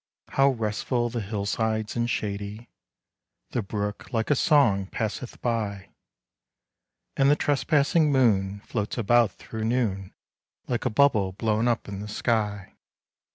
How restful the hillsides and shady! The brook like a song passeth by, And the trespassing moon floats about through noon, Like a bubble blown up in the sky.